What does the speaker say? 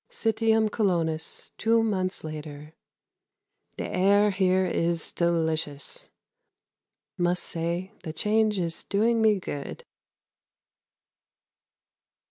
Citium Colonnus, two months later. The air here is delicious. Must say the change is doing me good.